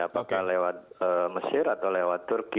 apakah lewat mesir atau lewat turki